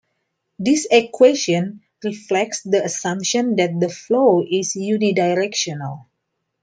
This equation reflects the assumption that the flow is "uni-directional".